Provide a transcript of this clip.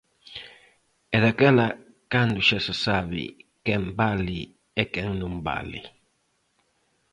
É daquela cando xa se sabe "quen vale e quen non vale".